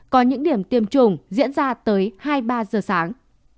có những điểm tiêm chủng diễn ra tới hai mươi ba h sáng